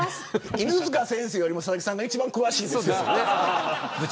犬塚先生よりも佐々木さんが一番詳しいですから。